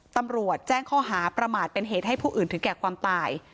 ตำรวจแจ้งข้อหาประมาทเป็นเหตุให้ผู้อื่นถึงแก่ความตาย